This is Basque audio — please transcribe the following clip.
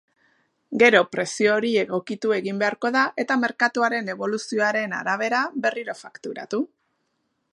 Gero prezio hori egokitu egin beharko da eta merkatuaren eboluzioaren arabera berriro fakturatu.